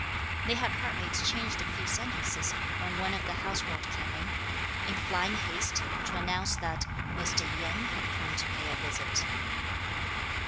They had hardly exchanged a few sentences, when one of the household came in, in flying haste, to announce that Mr. Yen had come to pay a visit.